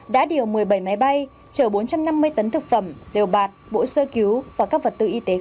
đã điều một mươi bảy máy bay trở bốn trăm năm mươi tấn thực phẩm liều bạt bộ sơ cứu và các vật tư y tế khác tới libi